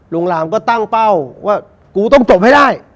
หลามก็ตั้งเป้าว่ากูต้องจบให้ได้